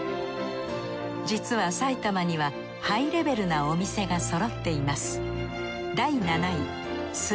実はさいたまにはハイレベルなお店が揃っています